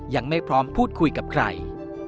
ยังไม่พร้อมพูดคุยกับใคร